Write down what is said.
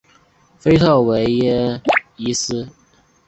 丰特维耶伊尔。